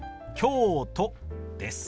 「京都」です。